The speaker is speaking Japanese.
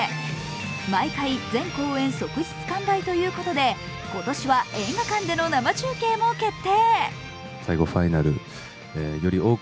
毎回、全公演即日完売ということで今年は映画館での生中継も決定。